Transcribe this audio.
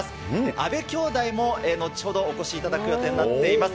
阿部兄妹も後ほど、お越しいただく予定になっています。